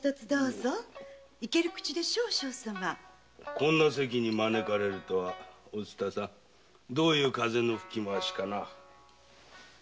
こんな席に招かれるとはお蔦さんどういう風の吹きまわしかな？